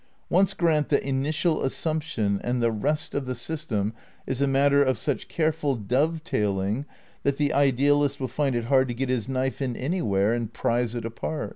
Once grant that initial assumption and the rest of the system is a matter of such careful dovetailing that the idealist will find it hard to get his knife in anywhere and prize it open.